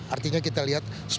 artinya kita lihat